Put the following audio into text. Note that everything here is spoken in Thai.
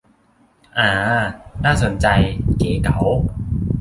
อ่า น่าสนใจ เก๋เก๋า